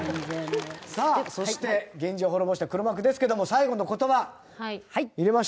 さあそして源氏を滅ぼした黒幕ですけども最後の言葉入れましょう。